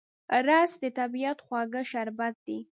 رس د طبیعت خواږه شربت دی